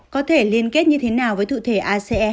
có thể liên kết như thế nào với thụ thể ace hai